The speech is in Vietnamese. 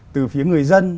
từ phía người dân